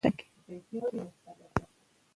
که اوسپنه وي نو مقناطیس نه ناکامیږي.